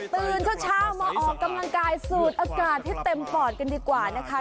ตื่นเช้ามาออกกำลังกายสูดอากาศให้เต็มปอดกันดีกว่านะคะ